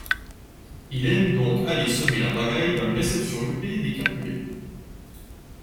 Il aime donc aller semer la pagaille dans les réceptions huppées des Capulet.